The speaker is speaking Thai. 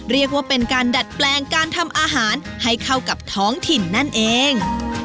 เรียกว่าเป็นการดัดแปลงการทำอาหารให้เข้ากับท้องถิ่นนั่นเอง